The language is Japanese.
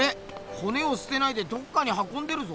ほねをすてないでどっかにはこんでるぞ！